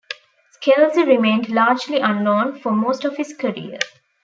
Scelsi remained largely unknown for most of his career.